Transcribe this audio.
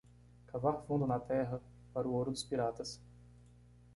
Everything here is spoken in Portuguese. Cavar fundo na terra para o ouro dos piratas.